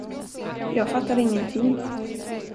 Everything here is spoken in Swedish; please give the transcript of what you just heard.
Jag fattar ingenting.